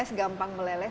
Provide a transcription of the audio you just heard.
es gampang meleleh